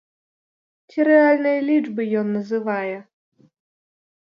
Ці рэальныя лічбы ён называе?